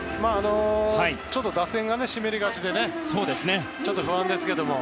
ちょっと打線が湿りがちで不安ですけど。